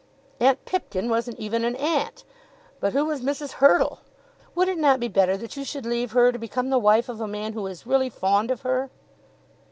Aunt Pipkin wasn't even an aunt; but who was Mrs. Hurtle? "Would it not be better that you should leave her to become the wife of a man who is really fond of her?"